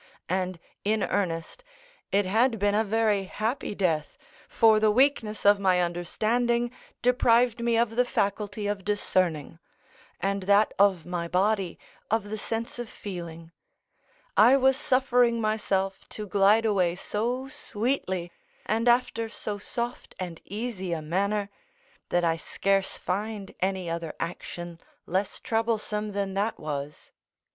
And, in earnest, it had been a very happy death, for the weakness of my understanding deprived me of the faculty of discerning, and that of my body of the sense of feeling; I was suffering myself to glide away so sweetly and after so soft and easy a manner, that I scarce find any other action less troublesome than that was.